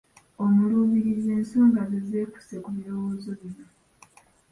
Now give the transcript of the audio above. Omuluubirizi ensonga ze zeekuuse ku birowoozo bino.